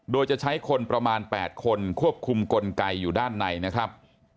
โดยจะใช้คนประมาณ๘คนควบคุมกลไกอยู่ด้านในนะครับ